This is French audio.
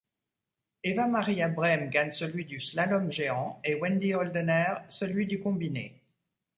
Eva-Maria Brem gagne celui du slalom géant, et Wendy Holdener celui du combiné.